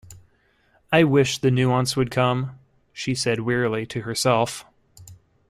“I wish the nuisance would come,” she said wearily to herself.